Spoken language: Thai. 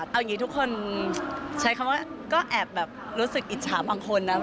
เอาอย่างนี้ทุกคนใช้คำว่าก็แอบแบบรู้สึกอิจฉาบางคนนะ